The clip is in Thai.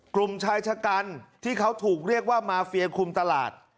กลุ่มชายชะกันที่เขาถูกเรียกว่ามาเฟียคุมตลาด